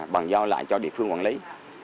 bằng do lại cho địa phương quản lý